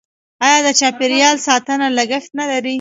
آیا د چاپیریال ساتنه لګښت نلري؟